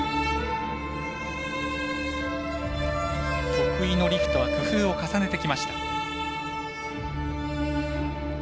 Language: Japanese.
得意のリフトは工夫を重ねてきました。